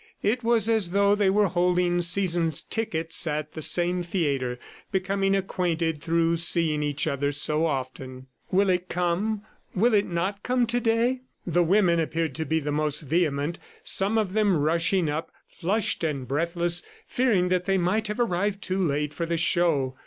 It was as though they were holding season tickets at the same theatre, becoming acquainted through seeing each other so often. "Will it come? ... Will it not come to day?" The women appeared to be the most vehement, some of them rushing up, flushed and breathless, fearing that they might have arrived too late for the show.